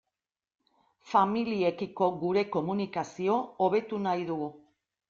Familiekiko gure komunikazio hobetu nahi dugu.